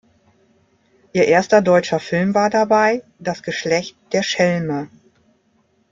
Ihr erster deutscher Film war dabei "Das Geschlecht der Schelme.